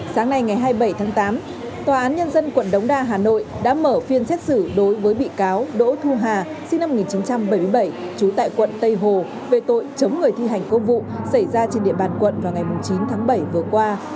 sáng nay ngày hai mươi bảy tháng tám tòa án nhân dân quận đống đa hà nội đã mở phiên xét xử đối với bị cáo đỗ thu hà sinh năm một nghìn chín trăm bảy mươi bảy trú tại quận tây hồ về tội chống người thi hành công vụ xảy ra trên địa bàn quận vào ngày chín tháng bảy vừa qua